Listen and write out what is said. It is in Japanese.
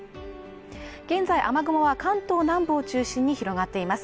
現在、雨雲は関東南部を中心に広がっています